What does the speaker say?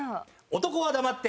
男は黙って。